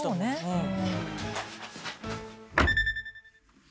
うん。